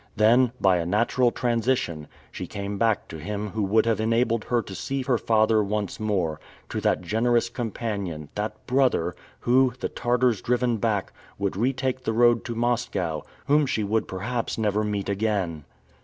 Then, by a natural transition, she came back to him who would have enabled her to see her father once more, to that generous companion, that "brother," who, the Tartars driven back, would retake the road to Moscow, whom she would perhaps never meet again!